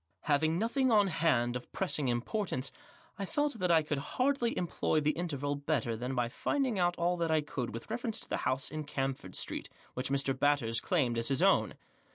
Having nothing on hand of pressing importance, I felt that I could hardly employ the interval better than by finding out all that I could with reference to the house in Camford Street Which Mr. Batters claimed as his own.